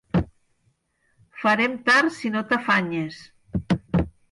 Farem tard si no t'afanyes.